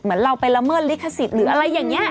เราไปละเมิดลิขสิทธิ์หรืออะไรอย่างนี้